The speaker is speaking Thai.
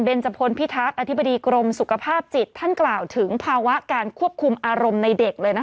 เด็กจะเป็นอย่างนี้